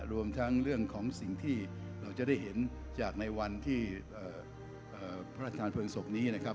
รวมทั้งเรื่องของสิ่งที่เราจะได้เห็นจากในวันที่พระราชทานเพลิงศพนี้นะครับ